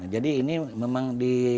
jadi ini memang